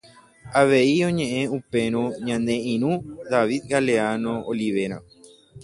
Avei oñeʼẽ upérõ ñane irũ David Galeano Olivera.